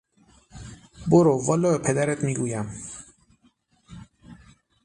برو والا به پدرت میگویم!